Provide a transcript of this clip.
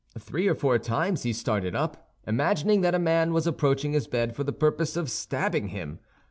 Three or four times he started up, imagining that a man was approaching his bed for the purpose of stabbing him.